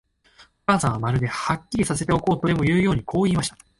お母さんは、まるで、はっきりさせておこうとでもいうように、こう言いました。